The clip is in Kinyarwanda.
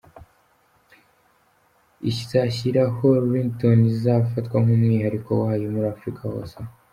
izashyiraho ringtone izafatwa nkumwihariko wayo muri Afurika hose aho.